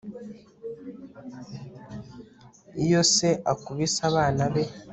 Iyo se akubise abana be